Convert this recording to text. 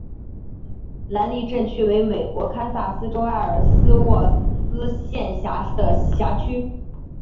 兰利镇区为美国堪萨斯州埃尔斯沃思县辖下的镇区。